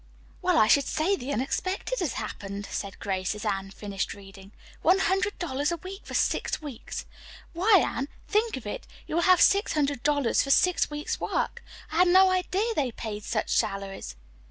"Well, I should say the unexpected had happened," said Grace, as Anne finished reading. "One hundred dollars a week for six weeks! Why, Anne, think of it! You will have six hundred dollars for six weeks' work. I had no idea they paid such salaries."